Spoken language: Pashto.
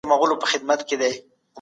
روښانه فکر ستړیا نه پیدا کوي.